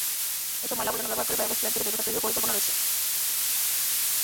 এসব ময়লা-আবর্জনা ব্যবহার করে বায়োগ্যাস প্লান্ট থেকে জৈবগ্যাস তৈরিরও পরিকল্পনা রয়েছে।